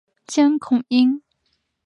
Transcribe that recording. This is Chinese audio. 江孔殷。